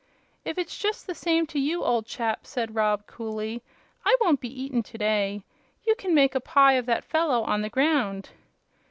"If it's just the same to you, old chap," said Rob, coolly, "I won't be eaten to day. You can make a pie of that fellow on the ground."